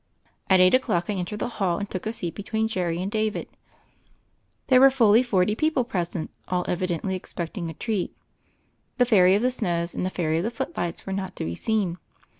At eight o'clock, I entered the hall, and took a seat between Jerry and David. There were fully forty people present, all evidently expect ing a treat. The Fairy of the Snows and the Fairy of the Footlights were not to be seen.